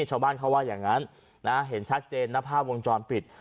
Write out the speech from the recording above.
ชาวบ้านเขาว่าอย่างนั้นนะเห็นชัดเจนนะภาพวงจรปิด